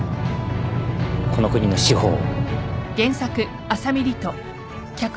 この国の司法を。